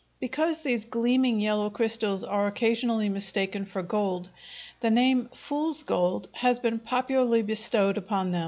Because these gleaming yellow crystals are occasionally mistaken for gold, the name "fool's gold" has been popularly bestowed upon them.